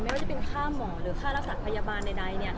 ไม่ว่าจะเป็นค่าหมอหรือค่ารักษาพยาบาลใด